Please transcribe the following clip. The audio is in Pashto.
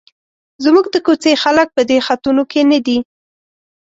زموږ د کوڅې خلک په دې خطونو کې نه دي.